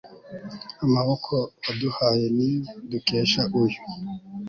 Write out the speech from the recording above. amaboko waduhaye, niyo dukesha uyu